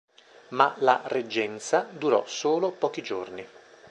Ma la reggenza durò solo pochi giorni.